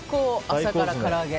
朝から、からあげ。